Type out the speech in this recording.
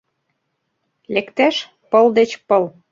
Лектеш - пыл деч пыл.